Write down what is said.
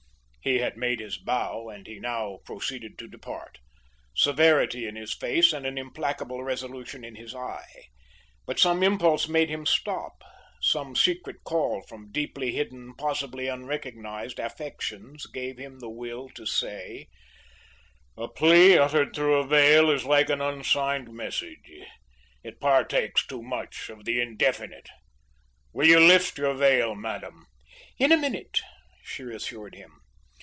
He had made his bow, and he now proceeded to depart, severity in his face and an implacable resolution in his eye. But some impulse made him stop; some secret call from deeply hidden, possibly unrecognised, affections gave him the will to say: "A plea uttered through a veil is like an unsigned message. It partakes too much of the indefinite. Will you lift your veil, madam?" "In a minute," she assured him.